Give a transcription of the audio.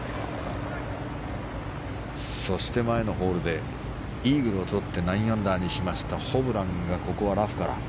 そして前のホールでイーグルをとって９アンダーにしましたホブランが、ここはラフから。